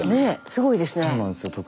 すごいですね。